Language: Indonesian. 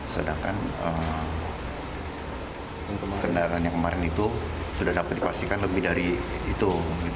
sedangkan kendaraan yang kemarin itu sudah dapat dipastikan lebih dari itu